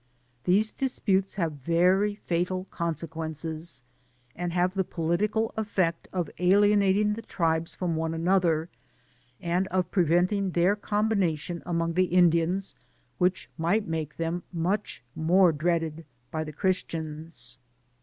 These disputes have very fatal consequences, and have the political effect of alienating the tribes from one another j and of preventing that combination among the Indians which might make them much more dreaded by the Christians.